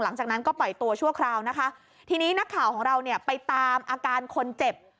หลังจากนั้นก็ปล่อยตัวชั่วคราวนะคะทีนี้นักข่าวของเราเนี่ยไปตามอาการคนเจ็บ